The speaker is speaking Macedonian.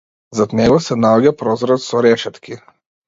Зад него се наоѓа прозорец со решетки.